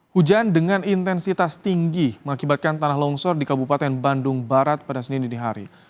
hujan dengan intensitas tinggi mengakibatkan tanah longsor di kebupaten bandung barat pada sini di hari